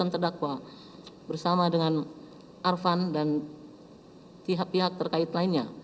terdakwa bersama dengan arvan dan pihak pihak terkait lainnya